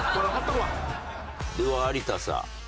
では有田さん。